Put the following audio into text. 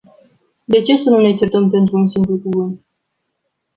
De ce să nu ne certăm pentru un simplu cuvânt?